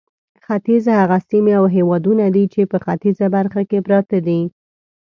ختیځ هغه سیمې او هېوادونه دي چې په ختیځه برخه کې پراته دي.